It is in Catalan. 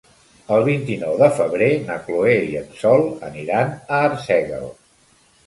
El vint-i-nou de febrer na Chloé i en Sol aniran a Arsèguel.